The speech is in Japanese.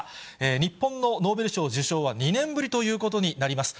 日本のノーベル賞受賞は２年ぶりということになります。